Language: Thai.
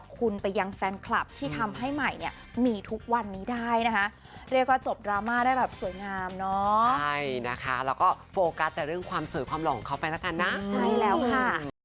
ดราม่าได้แบบสวยงามเนาะใช่นะคะแล้วก็โฟกัสแต่เรื่องความสวยความหล่อของเขาไปแล้วกันนะใช่แล้วค่ะ